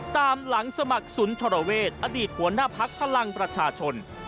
ตามหลังสมัครสุนทรเวศอดีตหัวหน้าพักพลังประชาชน